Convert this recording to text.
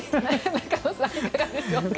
中野さん、いかがでしょうか。